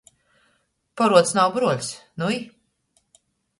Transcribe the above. Poruods nav bruoļs, nui.